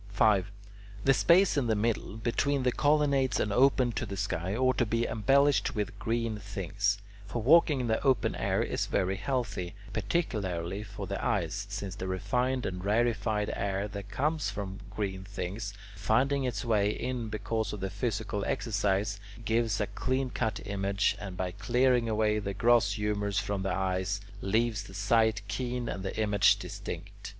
5. The space in the middle, between the colonnades and open to the sky, ought to be embellished with green things; for walking in the open air is very healthy, particularly for the eyes, since the refined and rarefied air that comes from green things, finding its way in because of the physical exercise, gives a clean cut image, and, by clearing away the gross humours from the eyes, leaves the sight keen and the image distinct.